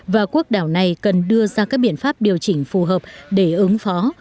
và quốc đảo này cần đưa ra các biện pháp điều chỉnh phù hợp để ứng phó